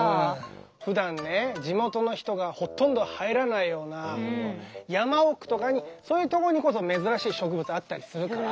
ふだんね地元の人がほとんど入らないような山奥とかにそういうとこにこそ珍しい植物あったりするから。